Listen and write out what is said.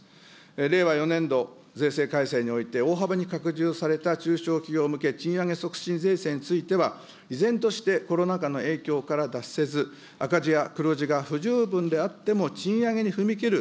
令和４年度税制改正において、大幅に拡充された中小企業向け賃上げ促進税制においては、依然としてコロナ禍の影響から脱せず、赤字や黒字が不十分であっても、賃上げに踏み切る